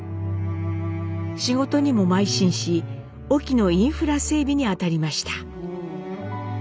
仕事にもまい進し隠岐のインフラ整備に当たりました。